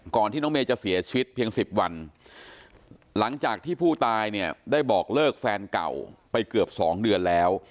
ที่น้องเมย์จะเสียชีวิตเพียง๑๐วันหลังจากที่ผู้ตายเนี่ยได้บอกเลิกแฟนเก่าไปเกือบ๒เดือนแล้ว